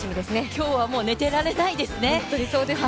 今日はもう寝ていられないですね。